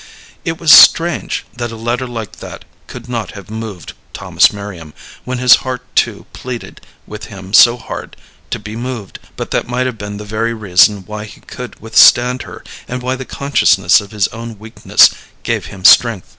It was strange that a letter like that could not have moved Thomas Merriam, when his heart too pleaded with him so hard to be moved. But that might have been the very reason why he could withstand her, and why the consciousness of his own weakness gave him strength.